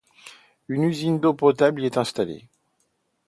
Une usine d'eau potable y est installée.